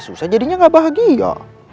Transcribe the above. susah jadinya nggak bahagia